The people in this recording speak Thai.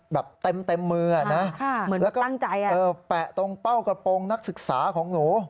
แบบเต็มมือนะแล้วก็แปะตรงเป้ากระโปรงนักศึกษาของหนู